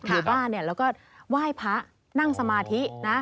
อยู่บ้านแล้วก็ไหว้พระนั่งสมาธินะ